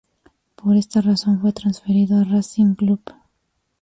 Por esta razón fue transferido a Racing Club.